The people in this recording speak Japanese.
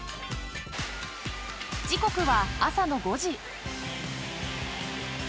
［時刻は朝の５時］